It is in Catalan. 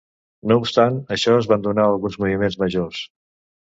No obstant això es van donar alguns moviments majors.